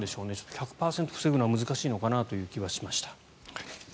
１００％防ぐのは難しいのかなという気はしました。